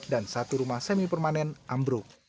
dan satu rumah semi permanen ambruk